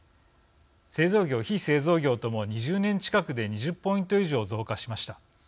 製造業、非製造業とも２０年近くで２０ポイント以上増加しました。